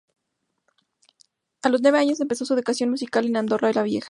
A los nueve años empezó su educación musical en Andorra la Vieja.